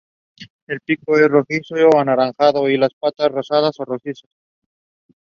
The song was written by the three artists and produced by Topic.